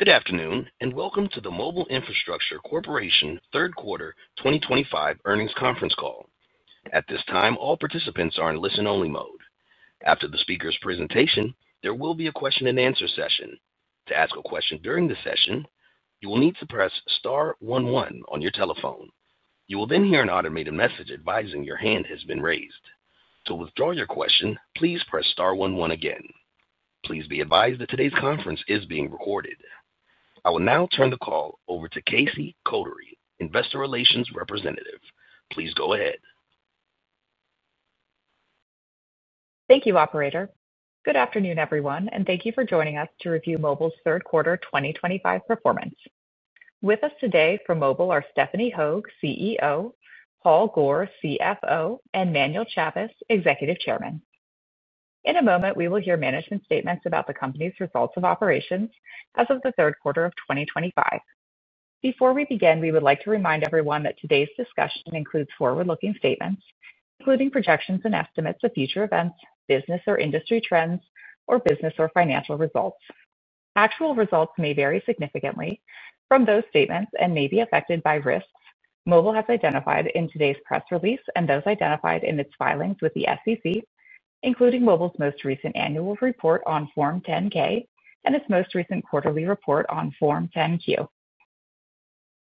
Good afternoon, and welcome to the Mobile Infrastructure Corporation Third Quarter 2025 earnings conference call. At this time, all participants are in listen-only mode. After the speaker's presentation, there will be a question-and-answer session. To ask a question during the session, you will need to press star one one on your telephone. You will then hear an automated message advising your hand has been raised. To withdraw your question, please press star one one again. Please be advised that today's conference is being recorded. I will now turn the call over to Casey Kotary, Investor Relations Representative. Please go ahead. Thank you, operator. Good afternoon, everyone, and thank you for joining us to review Mobile's third quarter 2025 performance. With us today from Mobile are Stephanie Hogue, CEO; Paul Gohr, CFO; and Manuel Chavez, Executive Chairman. In a moment, we will hear management statements about the company's results of operations as of the third quarter of 2025. Before we begin, we would like to remind everyone that today's discussion includes forward-looking statements, including projections and estimates of future events, business or industry trends, or business or financial results. Actual results may vary significantly from those statements and may be affected by risks Mobile has identified in today's press release and those identified in its filings with the SEC, including Mobile's most recent annual report on Form 10-K and its most recent quarterly report on Form 10-Q.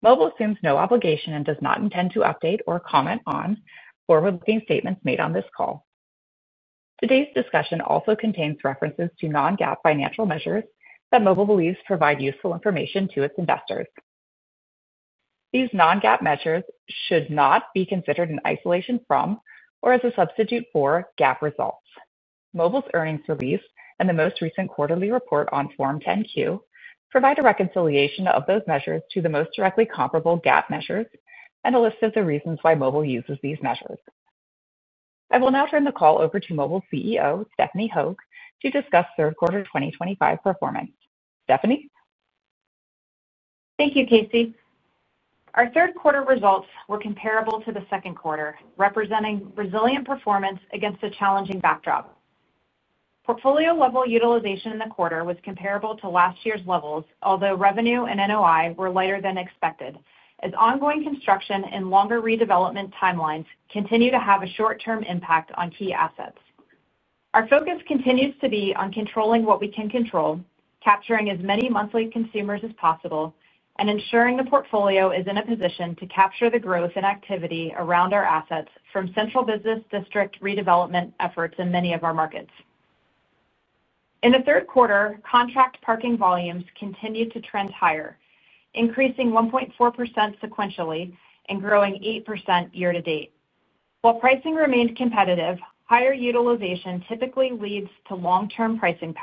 Mobile assumes no obligation and does not intend to update or comment on forward-looking statements made on this call. Today's discussion also contains references to non-GAAP financial measures that Mobile believes provide useful information to its investors. These non-GAAP measures should not be considered in isolation from or as a substitute for GAAP results. Mobile's earnings release and the most recent quarterly report on Form 10-Q provide a reconciliation of those measures to the most directly comparable GAAP measures and a list of the reasons why Mobile uses these measures. I will now turn the call over to Mobile's CEO, Stephanie Hogue, to discuss third quarter 2025 performance. Stephanie? Thank you, Casey. Our third quarter results were comparable to the second quarter, representing resilient performance against a challenging backdrop. Portfolio-level utilization in the quarter was comparable to last year's levels, although revenue and NOI were lighter than expected, as ongoing construction and longer redevelopment timelines continue to have a short-term impact on key assets. Our focus continues to be on controlling what we can control, capturing as many monthly consumers as possible, and ensuring the portfolio is in a position to capture the growth and activity around our assets from central business district redevelopment efforts in many of our markets. In the third quarter, contract parking volumes continued to trend higher, increasing 1.4% sequentially and growing 8% year-to-date. While pricing remained competitive, higher utilization typically leads to long-term pricing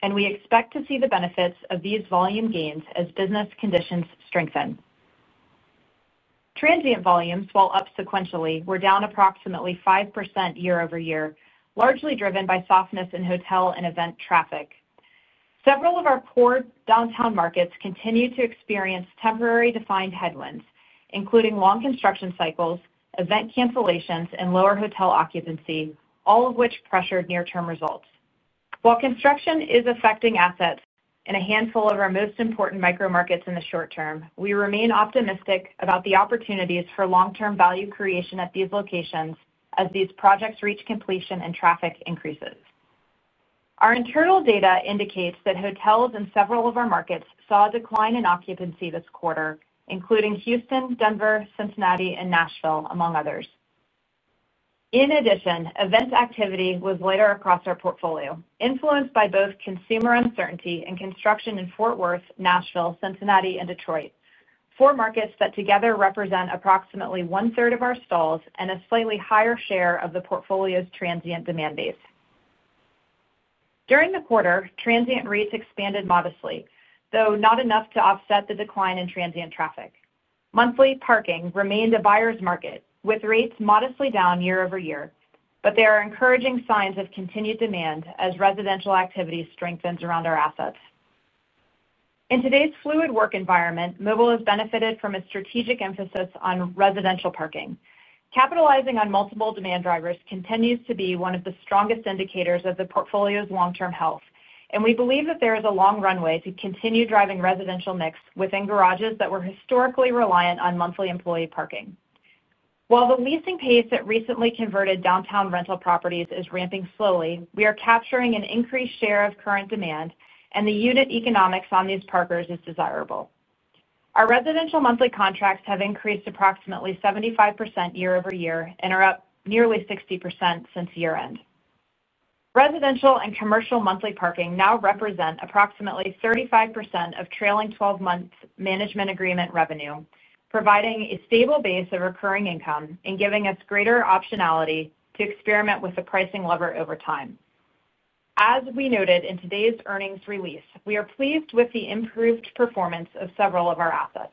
power, and we expect to see the benefits of these volume gains as business conditions strengthen. Transient volumes, while up sequentially, were down approximately 5% year-over-year, largely driven by softness in hotel and event traffic. Several of our core downtown markets continue to experience temporary defined headwinds, including long construction cycles, event cancellations, and lower hotel occupancy, all of which pressured near-term results. While construction is affecting assets in a handful of our most important micro-markets in the short term, we remain optimistic about the opportunities for long-term value creation at these locations as these projects reach completion and traffic increases. Our internal data indicates that hotels in several of our markets saw a decline in occupancy this quarter, including Houston, Denver, Cincinnati, and Nashville, among others. In addition, event activity was lighter across our portfolio, influenced by both consumer uncertainty and construction in Fort Worth, Nashville, Cincinnati, and Detroit, four markets that together represent approximately one-third of our stalls and a slightly higher share of the portfolio's transient demand base. During the quarter, transient rates expanded modestly, though not enough to offset the decline in transient traffic. Monthly parking remained a buyers' market, with rates modestly down year-over-year, but there are encouraging signs of continued demand as residential activity strengthens around our assets. In today's fluid work environment, Mobile has benefited from a strategic emphasis on residential parking. Capitalizing on multiple demand drivers continues to be one of the strongest indicators of the portfolio's long-term health, and we believe that there is a long runway to continue driving residential mix within garages that were historically reliant on monthly employee parking. While the leasing pace at recently converted downtown rental properties is ramping slowly, we are capturing an increased share of current demand, and the unit economics on these parkers is desirable. Our residential monthly contracts have increased approximately 75% year-over-year and are up nearly 60% since year-end. Residential and commercial monthly parking now represent approximately 35% of trailing 12-month management agreement revenue, providing a stable base of recurring income and giving us greater optionality to experiment with the pricing lever over time. As we noted in today's earnings release, we are pleased with the improved performance of several of our assets.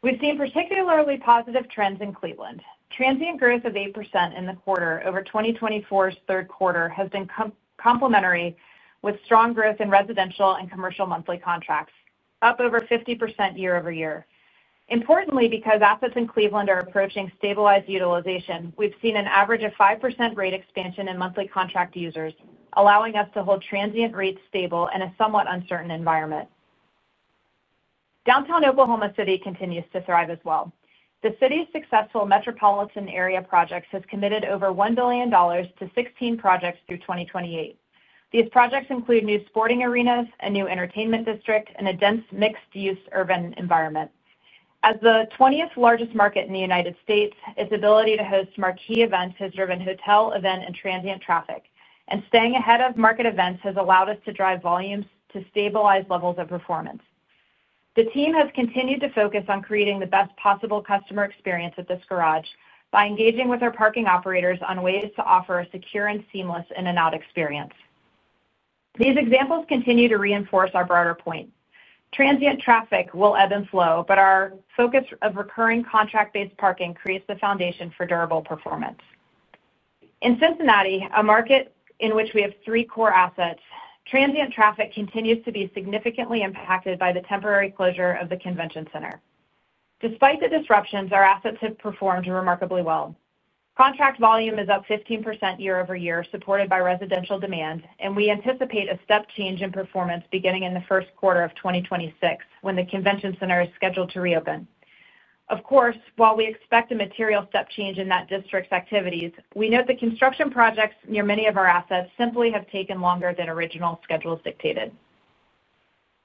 We've seen particularly positive trends in Cleveland. Transient growth of 8% in the quarter over 2024's Third Quarter has been complementary with strong growth in residential and commercial monthly contracts, up over 50% year-over-year. Importantly, because assets in Cleveland are approaching stabilized utilization, we've seen an average of 5% rate expansion in monthly contract users, allowing us to hold transient rates stable in a somewhat uncertain environment. Downtown Oklahoma City continues to thrive as well. The city's successful metropolitan area projects have committed over $1 billion to 16 projects through 2028. These projects include new sporting arenas, a new entertainment district, and a dense mixed-use urban environment. As the 20th largest market in the United States, its ability to host marquee events has driven hotel, event, and transient traffic, and staying ahead of market events has allowed us to drive volumes to stabilize levels of performance. The team has continued to focus on creating the best possible customer experience at this garage by engaging with our parking operators on ways to offer a secure and seamless in-and-out experience. These examples continue to reinforce our broader point. Transient traffic will ebb and flow, but our focus of recurring contract-based parking creates the foundation for durable performance. In Cincinnati, a market in which we have three core assets, transient traffic continues to be significantly impacted by the temporary closure of the convention center. Despite the disruptions, our assets have performed remarkably well. Contract volume is up 15% year-over-year, supported by residential demand, and we anticipate a step change in performance beginning in the first quarter of 2026 when the convention center is scheduled to reopen. Of course, while we expect a material step change in that district's activities, we note the construction projects near many of our assets simply have taken longer than original schedules dictated.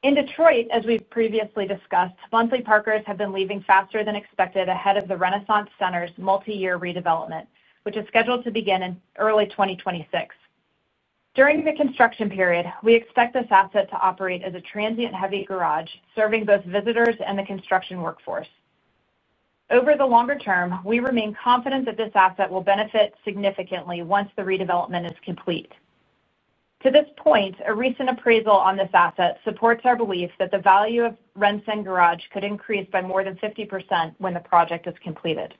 In Detroit, as we've previously discussed, monthly parkers have been leaving faster than expected ahead of the Renaissance Center's multi-year redevelopment, which is scheduled to begin in early 2026. During the construction period, we expect this asset to operate as a transient-heavy garage serving both visitors and the construction workforce. Over the longer term, we remain confident that this asset will benefit significantly once the redevelopment is complete. To this point, a recent appraisal on this asset supports our belief that the value of RenCen Garage could increase by more than 50% when the project is completed.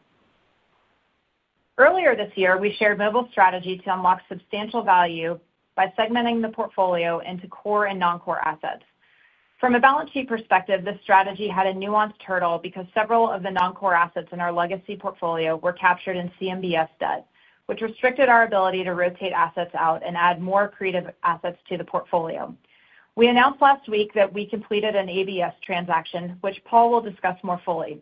Earlier this year, we shared Mobile's strategy to unlock substantial value by segmenting the portfolio into core and non-core assets. From a balance sheet perspective, this strategy had a nuanced hurdle because several of the non-core assets in our legacy portfolio were captured in CMBS debt, which restricted our ability to rotate assets out and add more creative assets to the portfolio. We announced last week that we completed an ABS transaction, which Paul will discuss more fully.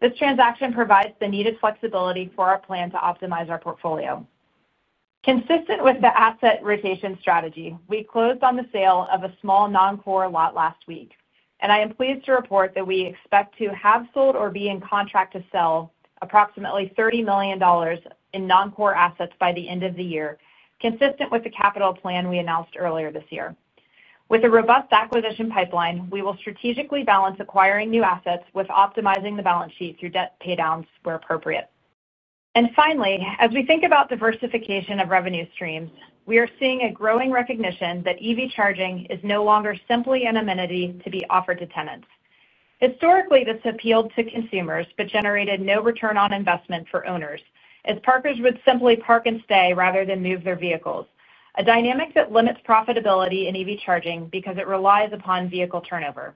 This transaction provides the needed flexibility for our plan to optimize our portfolio. Consistent with the asset rotation strategy, we closed on the sale of a small non-core lot last week, and I am pleased to report that we expect to have sold or be in contract to sell approximately $30 million in non-core assets by the end of the year, consistent with the capital plan we announced earlier this year. With a robust acquisition pipeline, we will strategically balance acquiring new assets with optimizing the balance sheet through debt paydowns where appropriate. Finally, as we think about diversification of revenue streams, we are seeing a growing recognition that EV charging is no longer simply an amenity to be offered to tenants. Historically, this appealed to consumers but generated no return on investment for owners, as parkers would simply park and stay rather than move their vehicles, a dynamic that limits profitability in EV charging because it relies upon vehicle turnover.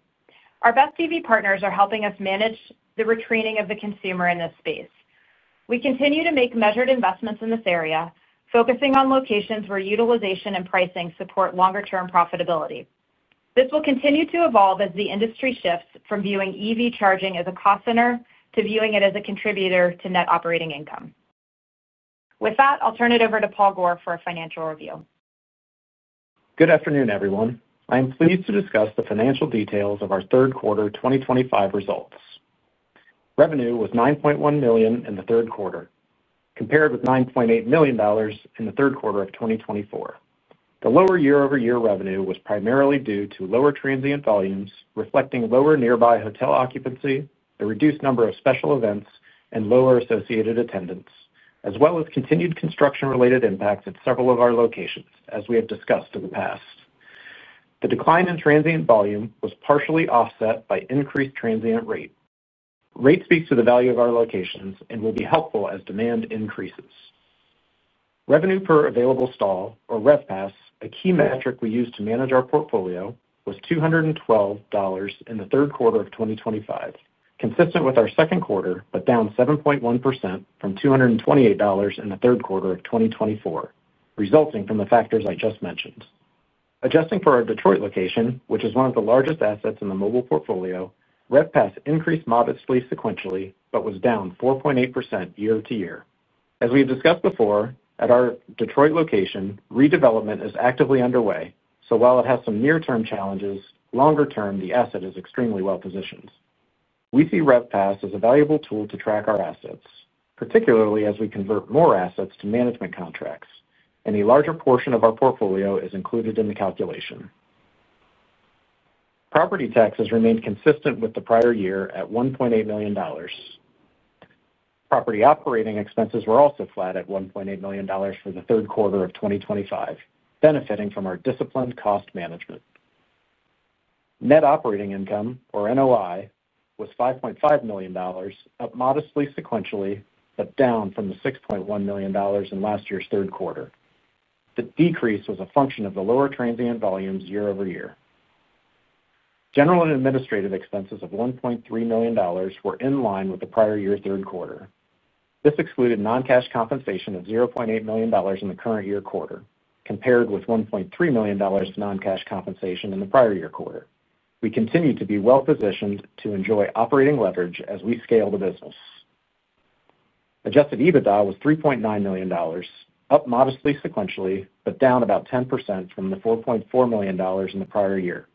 Our best EV partners are helping us manage the retreating of the consumer in this space. We continue to make measured investments in this area, focusing on locations where utilization and pricing support longer-term profitability. This will continue to evolve as the industry shifts from viewing EV charging as a cost center to viewing it as a contributor to net operating income. With that, I'll turn it over to Paul Gohr for a financial review. Good afternoon, everyone. I am pleased to discuss the financial details of our third quarter 2025 results. Revenue was $9.1 million in the third quarter, compared with $9.8 million in the third quarter of 2024. The lower year-over-year revenue was primarily due to lower transient volumes, reflecting lower nearby hotel occupancy, the reduced number of special events, and lower associated attendance, as well as continued construction-related impacts at several of our locations, as we have discussed in the past. The decline in transient volume was partially offset by increased transient rate. Rate speaks to the value of our locations and will be helpful as demand increases. Revenue Per Available Stall, or RevPAS, a key metric we use to manage our portfolio, was $212 in the third quarter of 2025, consistent with our second quarter but down 7.1% from $228 in the third quarter of 2024, resulting from the factors I just mentioned. Adjusting for our Detroit location, which is one of the largest assets in the Mobile portfolio, RevPAS increased modestly sequentially but was down 4.8% year-to-year. As we have discussed before, at our Detroit location, redevelopment is actively underway, so while it has some near-term challenges, longer-term, the asset is extremely well-positioned. We see RevPAS as a valuable tool to track our assets, particularly as we convert more assets to management contracts, and a larger portion of our portfolio is included in the calculation. Property taxes remained consistent with the prior year at $1.8 million. Property operating expenses were also flat at $1.8 million for the third quarter of 2025, benefiting from our disciplined cost management. Net operating income, or NOI, was $5.5 million, up modestly sequentially but down from the $6.1 million in last year's third quarter. The decrease was a function of the lower transient volumes year-over-year. General and administrative expenses of $1.3 million were in line with the prior year's third quarter. This excluded non-cash compensation of $0.8 million in the current year quarter, compared with $1.3 million non-cash compensation in the prior year quarter. We continue to be well-positioned to enjoy operating leverage as we scale the business. Adjusted EBITDA was $3.9 million, up modestly sequentially but down about 10% from the $4.4 million in the prior year.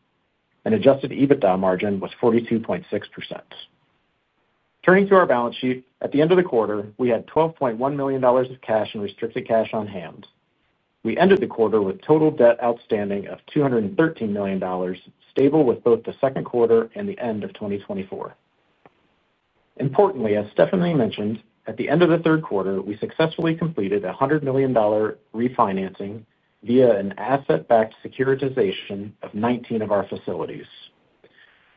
An adjusted EBITDA margin was 42.6%. Turning to our balance sheet, at the end of the quarter, we had $12.1 million of cash and restricted cash on hand. We ended the quarter with total debt outstanding of $213 million, stable with both the second quarter and the end of 2024. Importantly, as Stephanie mentioned, at the end of the third quarter, we successfully completed a $100 million refinancing via an asset-backed securitization of 19 of our facilities.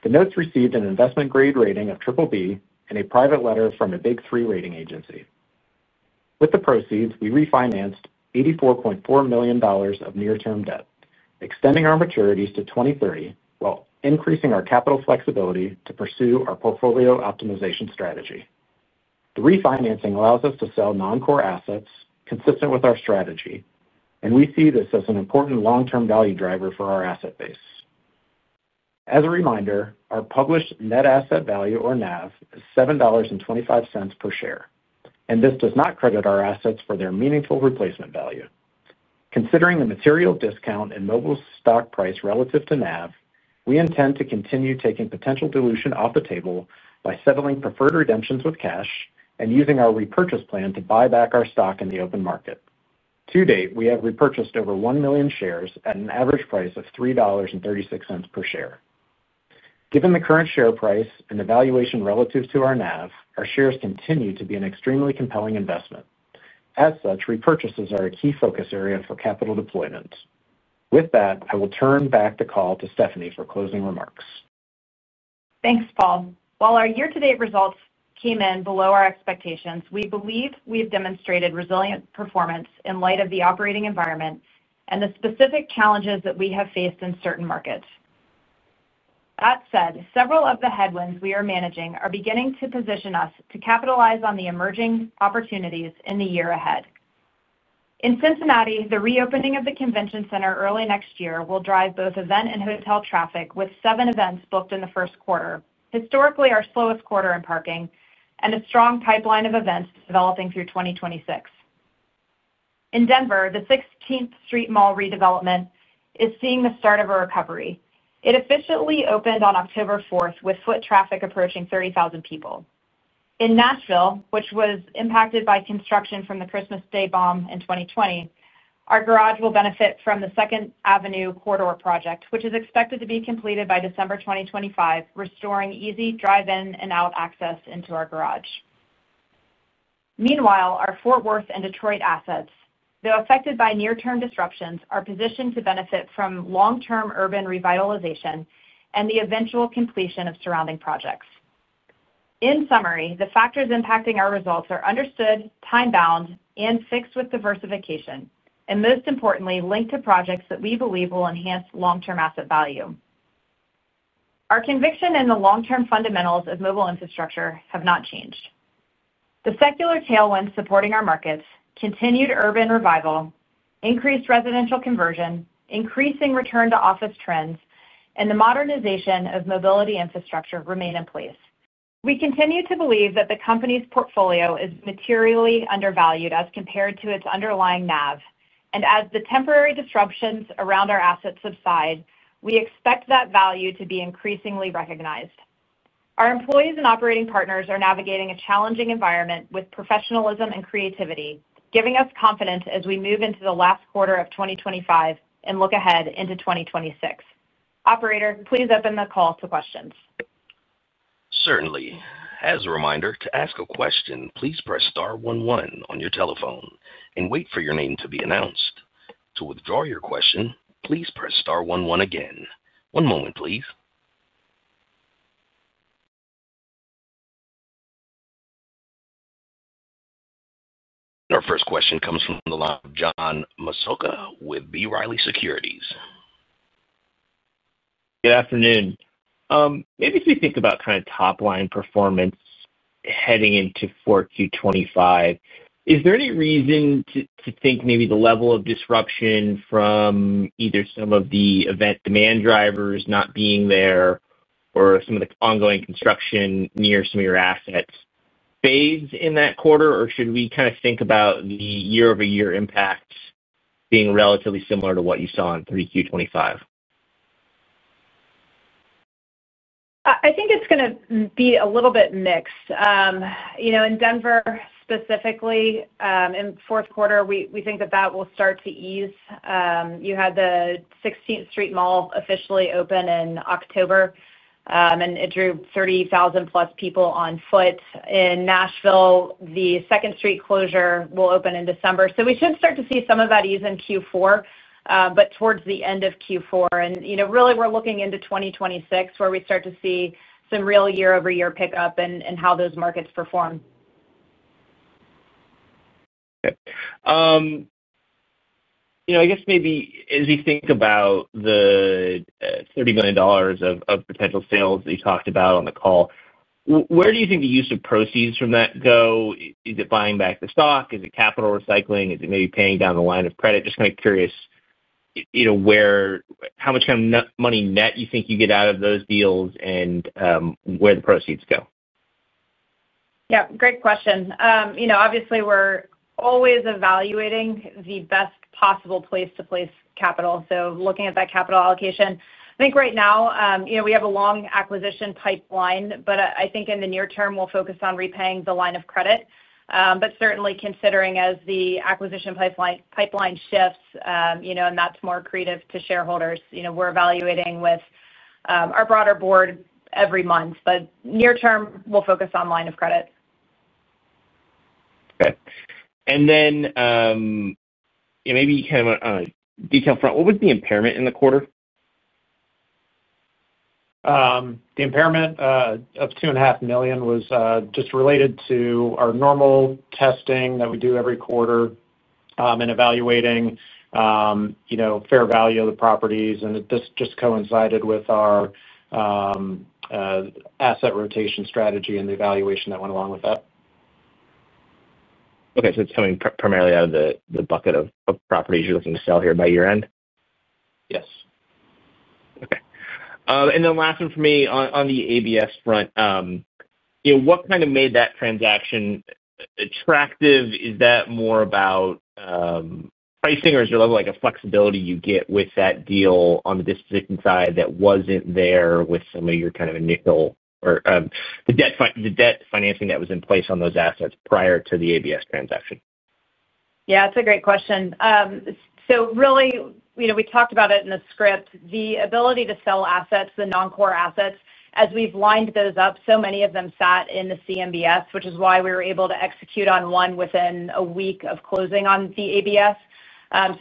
The notes received an investment-grade rating of BBB and a private letter from a Big Three rating agency. With the proceeds, we refinanced $84.4 million of near-term debt, extending our maturities to 2030 while increasing our capital flexibility to pursue our portfolio optimization strategy. The refinancing allows us to sell non-core assets consistent with our strategy, and we see this as an important long-term value driver for our asset base. As a reminder, our published Net Asset Value, or NAV, is $7.25 per share, and this does not credit our assets for their meaningful replacement value. Considering the material discount in Mobile's stock price relative to NAV, we intend to continue taking potential dilution off the table by settling preferred redemptions with cash and using our repurchase plan to buy back our stock in the open market. To date, we have repurchased over 1 million shares at an average price of $3.36 per share. Given the current share price and the valuation relative to our NAV, our shares continue to be an extremely compelling investment. As such, repurchases are a key focus area for capital deployment. With that, I will turn back the call to Stephanie for closing remarks. Thanks, Paul. While our year-to-date results came in below our expectations, we believe we have demonstrated resilient performance in light of the operating environment and the specific challenges that we have faced in certain markets. That said, several of the headwinds we are managing are beginning to position us to capitalize on the emerging opportunities in the year ahead. In Cincinnati, the reopening of the convention center early next year will drive both event and hotel traffic, with seven events booked in the first quarter, historically our slowest quarter in parking, and a strong pipeline of events developing through 2026. In Denver, the 16th Street Mall redevelopment is seeing the start of a recovery. It officially opened on October 4th, with foot traffic approaching 30,000 people. In Nashville, which was impacted by construction from the Christmas Day Bomb in 2020, our garage will benefit from the Second Avenue Corridor project, which is expected to be completed by December 2025, restoring easy drive-in and out access into our garage. Meanwhile, our Fort Worth and Detroit assets, though affected by near-term disruptions, are positioned to benefit from long-term urban revitalization and the eventual completion of surrounding projects. In summary, the factors impacting our results are understood, time-bound, and fixed with diversification, and most importantly, linked to projects that we believe will enhance long-term asset value. Our conviction in the long-term fundamentals of Mobile Infrastructure have not changed. The secular tailwinds supporting our markets, continued urban revival, increased residential conversion, increasing return-to-office trends, and the modernization of mobility infrastructure remain in place. We continue to believe that the company's portfolio is materially undervalued as compared to its underlying NAV, and as the temporary disruptions around our assets subside, we expect that value to be increasingly recognized. Our employees and operating partners are navigating a challenging environment with professionalism and creativity, giving us confidence as we move into the last quarter of 2025 and look ahead into 2026. Operator, please open the call to questions. Certainly. As a reminder, to ask a question, please press star 11 on your telephone and wait for your name to be announced. To withdraw your question, please press star 11 again. One moment, please. Our first question comes from the line of John Massocca with B. Riley Securities. Good afternoon. Maybe if we think about kind of top-line performance heading into Q4 2025, is there any reason to think maybe the level of disruption from either some of the event demand drivers not being there or some of the ongoing construction near some of your assets fades in that quarter, or should we kind of think about the year-over-year impacts being relatively similar to what you saw in Q3 2025? I think it's going to be a little bit mixed. In Denver specifically, in fourth quarter, we think that that will start to ease. You had the 16th Street Mall officially open in October, and it drew 30,000-plus people on foot. In Nashville, the Second Street closure will open in December, so we should start to see some of that ease in Q4, but towards the end of Q4. Really, we're looking into 2026 where we start to see some real year-over-year pickup in how those markets perform. Okay. I guess maybe as we think about the $30 million of potential sales that you talked about on the call, where do you think the use of proceeds from that go? Is it buying back the stock? Is it capital recycling? Is it maybe paying down the line of credit? Just kind of curious how much kind of money net you think you get out of those deals and where the proceeds go. Yeah, great question. Obviously, we're always evaluating the best possible place to place capital. So looking at that capital allocation, I think right now we have a long acquisition pipeline, but I think in the near term, we'll focus on repaying the line of credit. Certainly, considering as the acquisition pipeline shifts and that's more accretive to shareholders, we're evaluating with our broader board every month. Near term, we'll focus on line of credit. Okay. Maybe kind of on a detailed front, what was the impairment in the quarter? The impairment of $2.5 million was just related to our normal testing that we do every quarter and evaluating fair value of the properties, and this just coincided with our asset rotation strategy and the evaluation that went along with that. Okay. So it's coming primarily out of the bucket of properties you're looking to sell here by year-end? Yes. Okay. Last one for me on the ABS front. What kind of made that transaction attractive? Is that more about pricing, or is there a flexibility you get with that deal on the disposition side that was not there with some of your kind of initial or the debt financing that was in place on those assets prior to the ABS transaction? Yeah, that's a great question. Really, we talked about it in the script. The ability to sell assets, the non-core assets, as we've lined those up, so many of them sat in the CMBS, which is why we were able to execute on one within a week of closing on the ABS.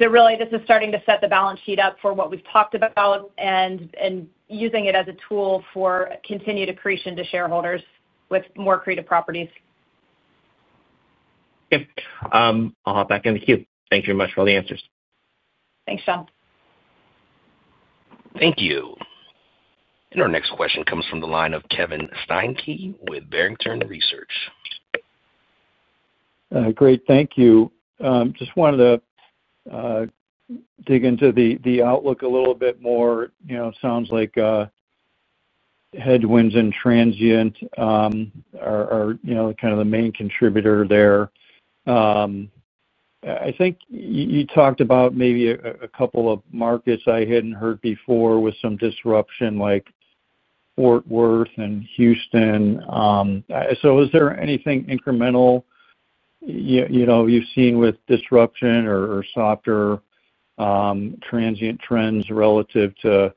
Really, this is starting to set the balance sheet up for what we've talked about and using it as a tool for continued accretion to shareholders with more creative properties. Okay. I'll hop back in the queue. Thank you very much for all the answers. Thanks, John. Thank you. Our next question comes from the line of Kevin Steinke with Barrington Research. Great. Thank you. Just wanted to dig into the outlook a little bit more. Sounds like headwinds and transient are kind of the main contributor there. I think you talked about maybe a couple of markets I had not heard before with some disruption, like Fort Worth and Houston. Is there anything incremental you have seen with disruption or softer transient trends relative to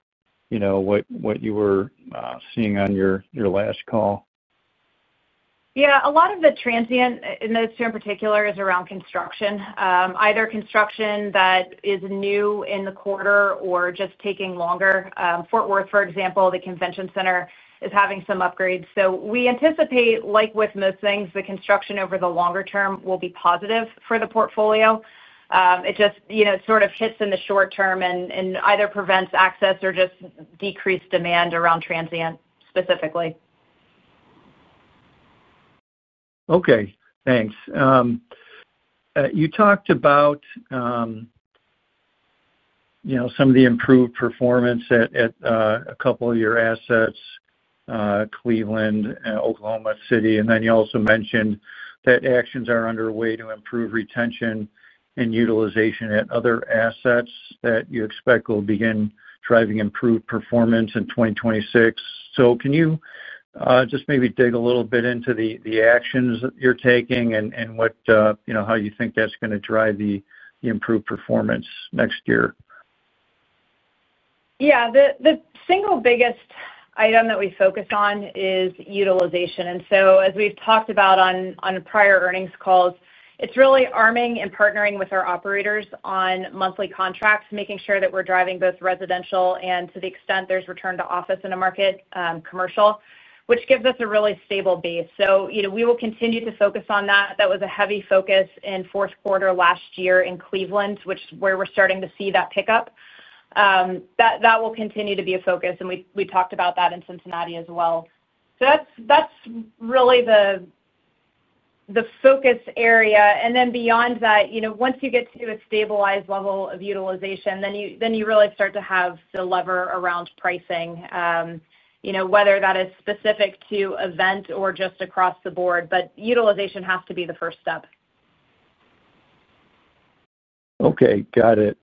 what you were seeing on your last call? Yeah. A lot of the transient, and this too in particular, is around construction, either construction that is new in the quarter or just taking longer. Fort Worth, for example, the convention center, is having some upgrades. We anticipate, like with most things, the construction over the longer term will be positive for the portfolio. It just sort of hits in the short term and either prevents access or just decreases demand around transient specifically. Okay. Thanks. You talked about some of the improved performance at a couple of your assets, Cleveland, Oklahoma City, and then you also mentioned that actions are underway to improve retention and utilization at other assets that you expect will begin driving improved performance in 2026. Can you just maybe dig a little bit into the actions that you're taking and how you think that's going to drive the improved performance next year? Yeah. The single biggest item that we focus on is utilization. And so, as we've talked about on prior earnings calls, it's really arming and partnering with our operators on monthly contracts, making sure that we're driving both residential and, to the extent there's return to office in a market, commercial, which gives us a really stable base. So we will continue to focus on that. That was a heavy focus in fourth quarter last year in Cleveland, which is where we're starting to see that pickup. That will continue to be a focus, and we talked about that in Cincinnati as well. So that's really the focus area. Once you get to a stabilized level of utilization, then you really start to have the lever around pricing, whether that is specific to event or just across the board, but utilization has to be the first step. Okay. Got it.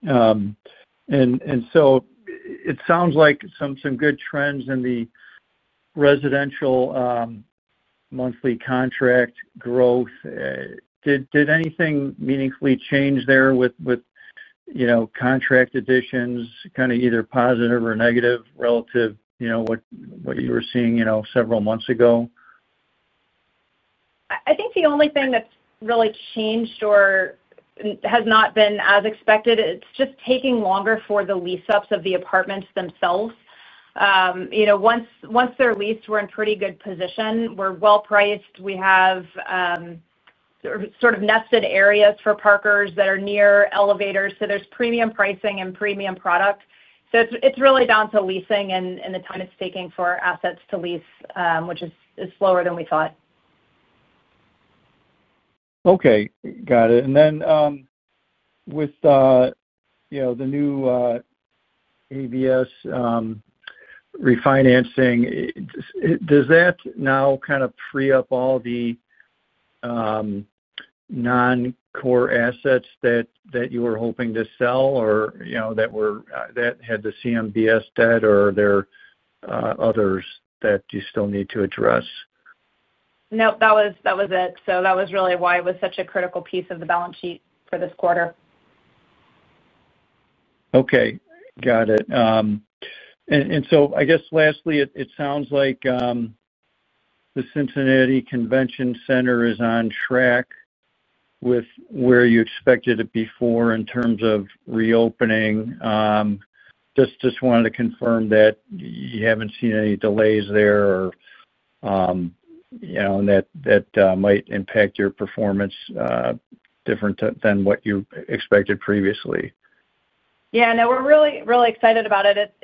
It sounds like some good trends in the residential monthly contract growth. Did anything meaningfully change there with contract additions, kind of either positive or negative relative to what you were seeing several months ago? I think the only thing that's really changed or has not been as expected, it's just taking longer for the lease-ups of the apartments themselves. Once they're leased, we're in pretty good position. We're well-priced. We have sort of nested areas for parkers that are near elevators, so there's premium pricing and premium product. It's really down to leasing and the time it's taking for assets to lease, which is slower than we thought. Okay. Got it. With the new ABS refinancing, does that now kind of free up all the non-core assets that you were hoping to sell or that had the CMBS debt, or are there others that you still need to address? Nope. That was it. That was really why it was such a critical piece of the balance sheet for this quarter. Okay. Got it. I guess lastly, it sounds like the Cincinnati Convention Center is on track with where you expected it before in terms of reopening. Just wanted to confirm that you haven't seen any delays there or that might impact your performance different than what you expected previously. Yeah. No, we're really, really excited about it.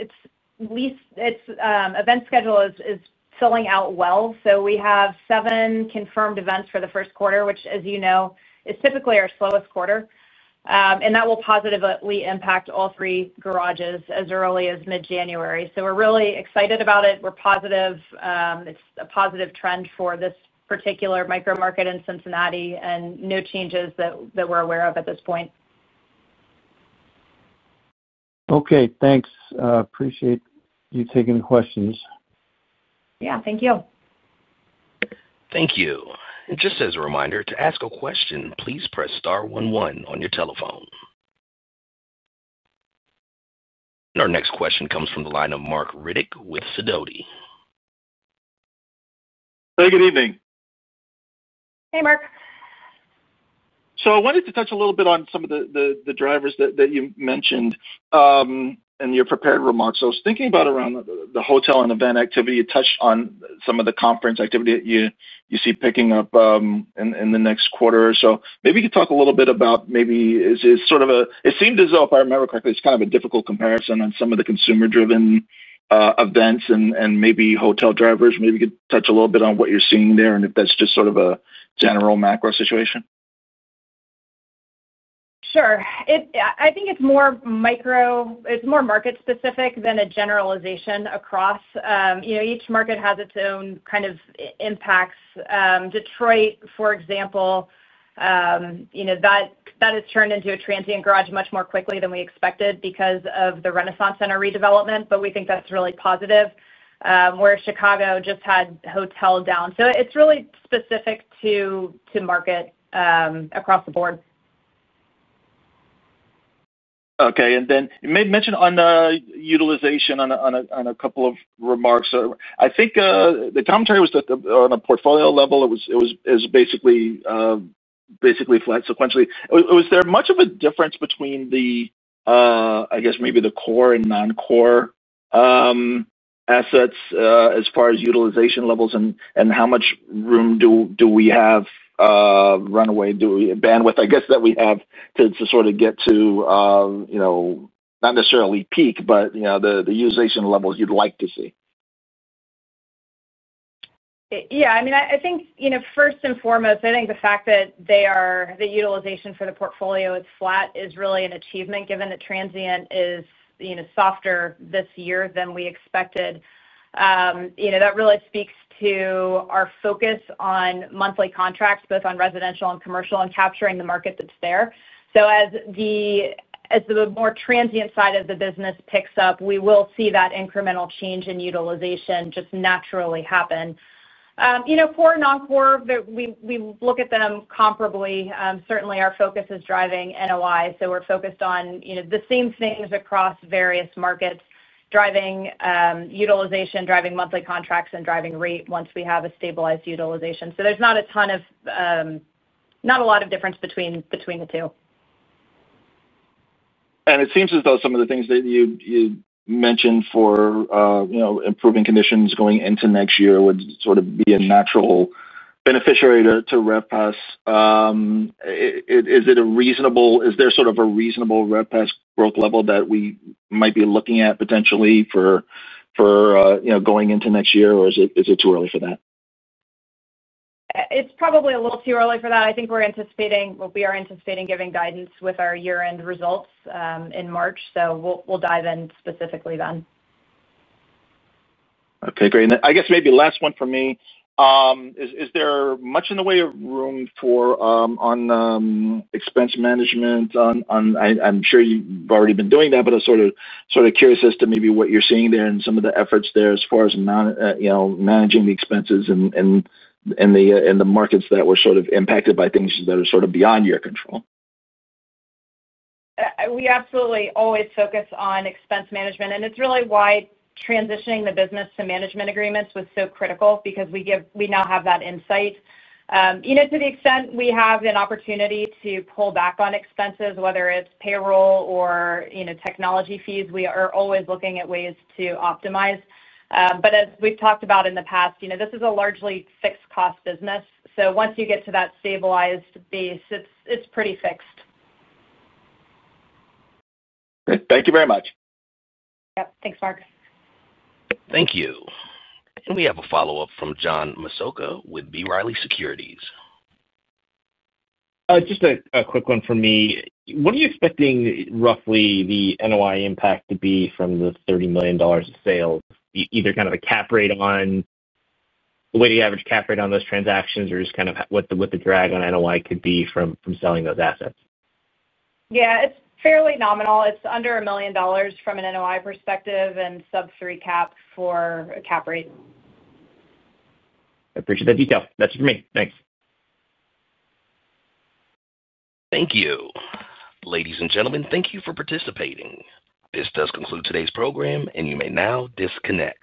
Event schedule is filling out well. We have seven confirmed events for the first quarter, which, as you know, is typically our slowest quarter. That will positively impact all three garages as early as mid-January. We're really excited about it. We're positive. It's a positive trend for this particular micro-market in Cincinnati and no changes that we're aware of at this point. Okay. Thanks. Appreciate you taking the questions. Yeah. Thank you. Thank you. Just as a reminder, to ask a question, please press star one one on your telephone. Our next question comes from the line of Marc Riddick with Sidoti. Hey, good evening. Hey, Marc. I wanted to touch a little bit on some of the drivers that you mentioned in your prepared remarks. I was thinking about around the hotel and event activity. You touched on some of the conference activity that you see picking up in the next quarter. Maybe you could talk a little bit about maybe it's sort of a it seemed as though, if I remember correctly, it's kind of a difficult comparison on some of the consumer-driven events and maybe hotel drivers. Maybe you could touch a little bit on what you're seeing there and if that's just sort of a general macro situation. Sure. I think it's more market-specific than a generalization across. Each market has its own kind of impacts. Detroit, for example, that has turned into a transient garage much more quickly than we expected because of the Renaissance Center redevelopment, but we think that's really positive. Whereas Chicago just had hotel down. So it's really specific to market across the board. Okay. You mentioned on utilization on a couple of remarks. I think the commentary was that on a portfolio level, it was basically flat sequentially. Was there much of a difference between the, I guess, maybe the core and non-core assets as far as utilization levels and how much room do we have, runway, bandwidth, I guess, that we have to sort of get to not necessarily peak, but the utilization levels you'd like to see? Yeah. I mean, I think first and foremost, I think the fact that the utilization for the portfolio is flat is really an achievement given that transient is softer this year than we expected. That really speaks to our focus on monthly contracts, both on residential and commercial, and capturing the market that's there. As the more transient side of the business picks up, we will see that incremental change in utilization just naturally happen. Core and non-core, we look at them comparably. Certainly, our focus is driving NOI, so we're focused on the same things across various markets, driving utilization, driving monthly contracts, and driving rate once we have a stabilized utilization. There's not a ton of difference between the two. It seems as though some of the things that you mentioned for improving conditions going into next year would sort of be a natural beneficiary to RevPAS. Is there sort of a reasonable RevPAS growth level that we might be looking at potentially for going into next year, or is it too early for that? It's probably a little too early for that. I think we're anticipating, what we are anticipating, giving guidance with our year-end results in March, so we'll dive in specifically then. Okay. Great. I guess maybe last one for me. Is there much in the way of room on expense management? I'm sure you've already been doing that, but I'm sort of curious as to maybe what you're seeing there and some of the efforts there as far as managing the expenses and the markets that were sort of impacted by things that are sort of beyond your control. We absolutely always focus on expense management, and it's really why transitioning the business to management agreements was so critical because we now have that insight. To the extent we have an opportunity to pull back on expenses, whether it's payroll or technology fees, we are always looking at ways to optimize. As we've talked about in the past, this is a largely fixed-cost business. Once you get to that stabilized base, it's pretty fixed. Great. Thank you very much. Yep. Thanks, Marc. Thank you. We have a follow-up from John Massocca with B. Riley Securities. Just a quick one from me. What are you expecting roughly the NOI impact to be from the $30 million of sales, either kind of a cap rate on the way, the average cap rate on those transactions, or just kind of what the drag on NOI could be from selling those assets? Yeah. It's fairly nominal. It's under $1 million from an NOI perspective and sub-3 cap for a cap rate. I appreciate that detail. That's it for me. Thanks. Thank you. Ladies and gentlemen, thank you for participating. This does conclude today's program, and you may now disconnect.